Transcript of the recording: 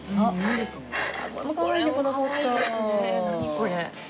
これ。